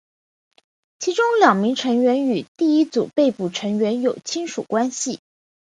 其中两名成员与第一组被捕成员有亲属关系。